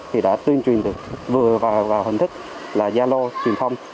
thì đã tuyên truyền được vừa vào hình thức là gia lô truyền thông